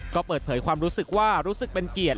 ก็เปิดเผยความรู้สึกว่ารู้สึกเป็นเกียรติ